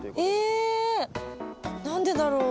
えっ何でだろう？